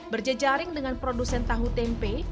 berjejaring dengan produsen tahu tempe